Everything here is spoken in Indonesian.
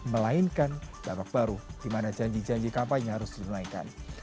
melainkan dampak baru di mana janji janji kampanye harus dinaikkan